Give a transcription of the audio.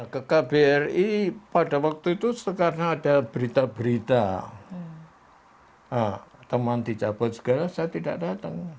ke kbri pada waktu itu karena ada berita berita teman dicabut segala saya tidak datang